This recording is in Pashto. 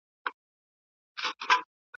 د لويي جرګې د غړو ترمنځ همږغي ولي سخته ده؟